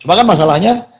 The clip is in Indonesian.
cuma kan masalahnya